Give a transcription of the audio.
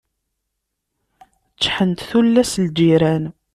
Ččḥent tullas n lǧiran.